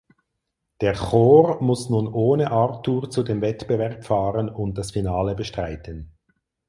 Der Chor muss nun ohne Arthur zu dem Wettbewerb fahren und das Finale bestreiten.